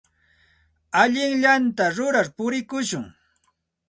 Allinllata rurar purikushun.